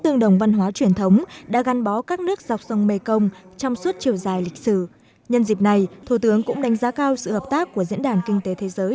nhân dịp này thủ tướng cũng đánh giá cao sự hợp tác của diễn đàn kinh tế thế giới